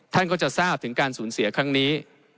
ท่านก็จะทราบถึงการสูญเสียครั้งนี้